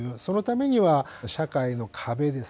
そのためには「社会の壁」ですね。